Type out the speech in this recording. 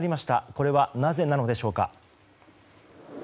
これは、なぜなのでしょうか。